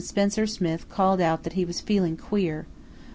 Spencer Smith called out that he was feeling queer.